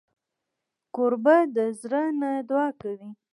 کوربه د زړه نه دعا کوي.